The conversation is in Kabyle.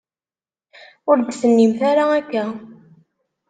Ur d-tennimt ara akka.